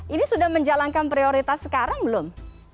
ini sudah menjalankan prioritas sekarang belum